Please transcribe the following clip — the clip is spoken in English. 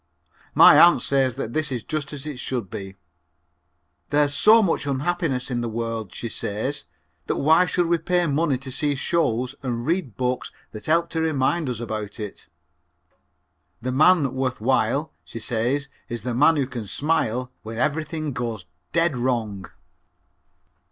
My aunt says that this is just as it should be. "There's so much unhappiness in the world," she says, "that why should we pay money to see shows and read books that help to remind us about it. The man worth while," she says, "is the man who can smile when everything goes dead wrong."